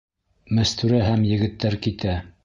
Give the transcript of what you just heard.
Мәстүрә һәм егеттәр китә.